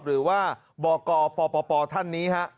หรือว่าบกปปท่านนี้ฮะ